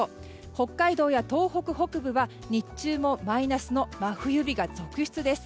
北海道や東北北部は日中もマイナスの真冬日が続出です。